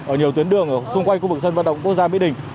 ở nhiều tuyến đường xung quanh khu vực sân vật động quốc gia mỹ đình